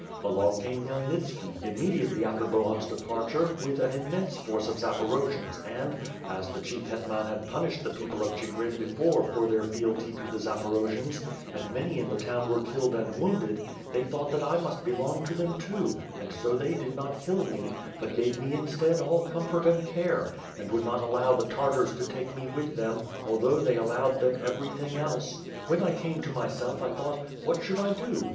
Along came Khmyelnitski, immediately after Bohun's departure, with an immense force of Zaporo jians and, as the Chief Hetman had punished the people of Chigrin before for their fealty to the Zaporojians, and many in the town were killed and wounded, they thought that 1 must belong to them, too; and so they did not kill me, but gave me instead all comfort and care, and would not allow the Tartars to take me with them, although they allowed them everything else. When 1 came to myself, I thought, what should I do?